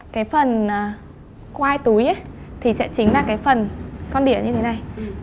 cái phần quai túi thì sẽ chính là cái phần con đĩa như thế này